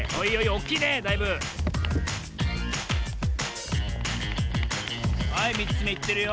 おっきいねだいぶはい３つめいってるよ。